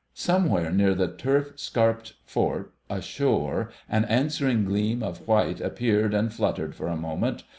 Somewhere near the turf scarped fort ashore an answering gleam of white appeared and fluttered for a moment.